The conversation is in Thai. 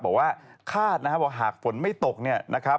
บอกว่าคาดหากฝนไม่ตก